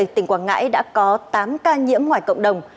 tỉnh quảng ngãi đã có tám ca nhiễm ngoài cộng đồng